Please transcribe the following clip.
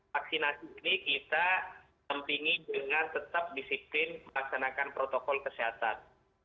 vaksinasi ini kita tempingi dengan tetap disiplin melaksanakan protokol kesehatan